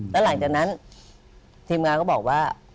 แล้วหลังจากนั้นทีมงานก็บอกว่า